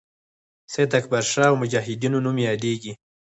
سید اکبرشاه او مجاهدینو نوم یادیږي.